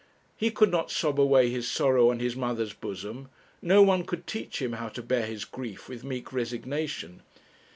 He could not sob away his sorrow on his mother's bosom; no one could teach him how to bear his grief with meek resignation.